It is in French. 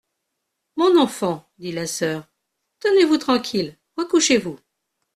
Mon enfant, dit la soeur, tenez-vous tranquille, recouchez-vous.